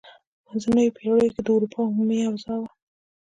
په منځنیو پیړیو کې د اروپا عمومي اوضاع وه.